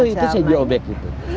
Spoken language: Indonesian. hutut bisa sedikit